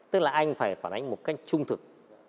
tức là anh phải phản ánh một cách trung thực